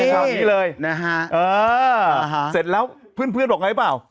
หาสธิตแล้วเพื่อนบอกไงรึเปล่า